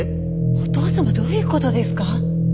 お義父様どういう事ですか！？